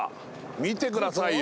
見てくださいよ。